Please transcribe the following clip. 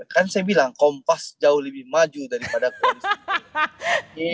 kan saya bilang kompas jauh lebih maju daripada koalisi